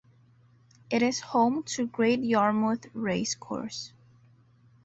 It is home to Great Yarmouth race course.